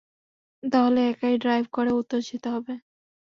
তাহলে একাই ড্রাইভ করে উত্তরে যেতে হবে।